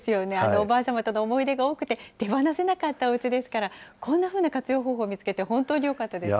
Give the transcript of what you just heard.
おばあさまとの思い出が多くて手放せなかったおうちですから、こんなふうな活用方法を見つけて本当によかったですね。